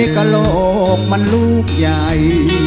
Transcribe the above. กระโหลกมันลูกใหญ่